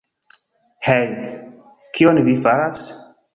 Hej, kion vi faras?